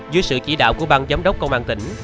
dưới sự chỉ đạo của bang giám đốc công an tỉnh